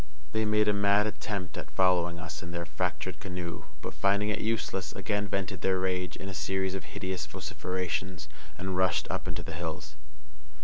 They made a mad attempt at following us in the fractured canoe, but, finding it useless, again vented their rage in a series of hideous vociferations, and rushed up into the hills.